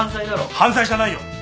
犯罪じゃないよ。